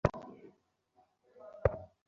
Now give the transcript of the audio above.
মা, overreact করা বন্ধ করো।